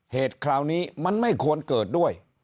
คราวนี้มันไม่ควรเกิดด้วย